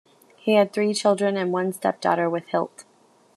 He had three children and one stepdaughter with Hilt.